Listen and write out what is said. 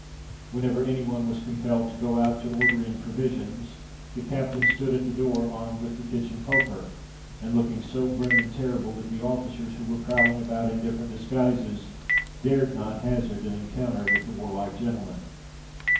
Whenever any one was compelled to go out to order in provisions, the captain stood at the door, armed with the kitchen poker, and looking so grim and terrible that the officers who were prowling about in different disguises, dared not hazard an encounter with the warlike gentleman.